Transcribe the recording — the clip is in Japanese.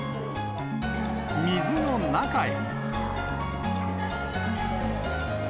水の中へ。